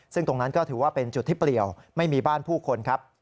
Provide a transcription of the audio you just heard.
ซึ่งตรงนั้นก็ถือว่าเป็นจุดที่เปลี่ยวไม่มีบ้านผู้คนครับ